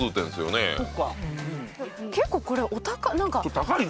結構これお高い。